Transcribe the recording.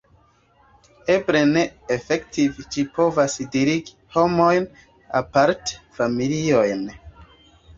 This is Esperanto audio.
Eble ne: efektive ĝi povas disigi homojn, aparte familiojn.